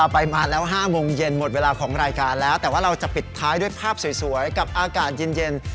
ภาพสวยกับอากาศเย็น